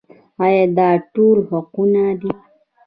آیا دا ټول حقونه دي؟